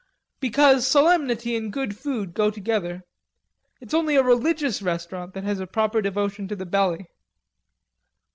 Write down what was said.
"Because solemnity and good food go together. It's only a religious restaurant that has a proper devotion to the belly.